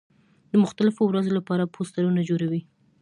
د مختلفو ورځو له پاره پوسټرونه جوړوي.